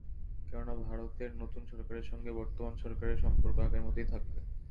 কেননা ভারতের নতুন সরকারের সঙ্গে বর্তমান সরকারের সম্পর্ক আগের মতোই থাকবে।